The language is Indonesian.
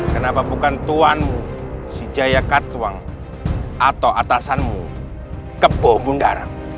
kenapa bukan tuanmu si jayakatwang atau atasanmu keboh bundarang